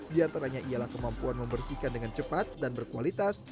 di antaranya ialah kemampuan membersihkan dengan cepat dan berkualitas